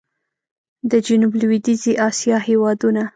د جنوب لوېدیځي اسیا هېوادونه